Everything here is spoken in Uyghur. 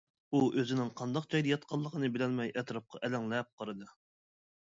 ئۇ ئۆزىنىڭ قانداق جايدا ياتقانلىقىنى بىلەلمەي ئەتراپقا ئەلەڭلەپ قارىدى.